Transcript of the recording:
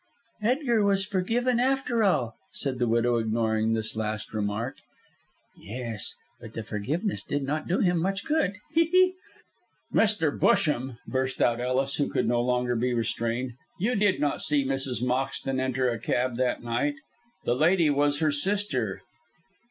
"Edgar was forgiven after all," said the widow, ignoring this last remark. "Yes, but the forgiveness did not do him much good. He! he!" "Mr. Busham!" burst out Ellis, who could no longer be restrained. "You did not see Mrs. Moxton enter a cab on that night. The lady was her sister."